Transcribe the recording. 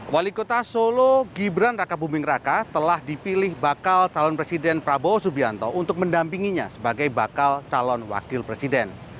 wali kota solo gibran raka buming raka telah dipilih bakal calon presiden prabowo subianto untuk mendampinginya sebagai bakal calon wakil presiden